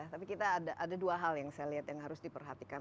tapi kita ada dua hal yang saya lihat yang harus diperhatikan